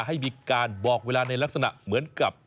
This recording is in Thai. ให้มีการบอกเวลาในลักษณะเหมือนกับ